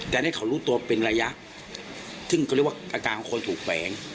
แต่นี่เขารู้ตัวเป็นระยะซึ่งเขาเรียกว่าอาการของคนถูกแฝง